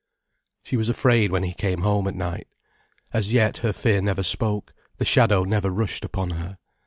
She was afraid when he came home at night. As yet, her fear never spoke, the shadow never rushed upon her.